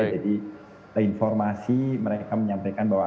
jadi informasi mereka menyampaikan bahwa